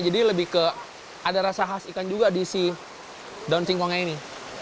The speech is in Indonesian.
jadi lebih ke ada rasa khas ikan juga di si daun singkongnya ini